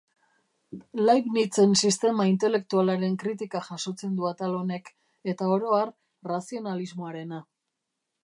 Leibnizen sistema intelektualaren kritika jasotzen du atal honek, eta oro har razionalismoarena.